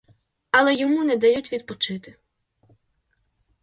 Але йому не дають відпочити.